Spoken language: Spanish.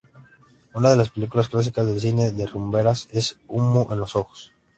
Una de las películas clásicas del cine de rumberas es "Humo en los ojos"'.